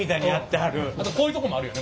あとこういうとこもあるよね